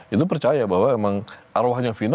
itu percaya bahwa emang arwahnya final